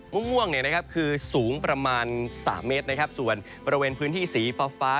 มุ่งม่วงคือสูงประมาณสามเมตรส่วนประเวนพื้นที่สีฟ้า